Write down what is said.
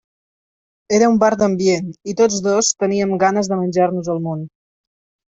Era un bar d'ambient i tots dos teníem ganes de menjar-nos el món.